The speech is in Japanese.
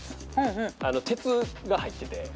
鉄が入ってて。